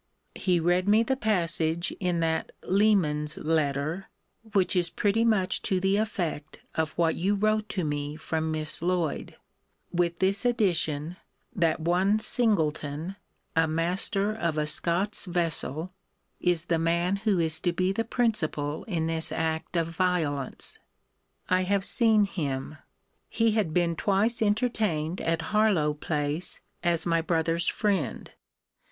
He read me the passage in that Leman's letter, which is pretty much to the effect of what you wrote to me from Miss Lloyd; with this addition, that one Singleton, a master of a Scots vessel, is the man who is to be the principal in this act of violence. I have seen him. He had been twice entertained at Harlowe place, as my brother's friend.